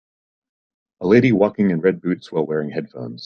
A lady walking in red boots while wearing headphones.